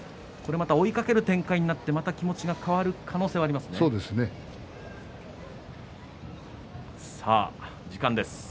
追いかける展開になって気持ちが変わる可能性もありますそうですね。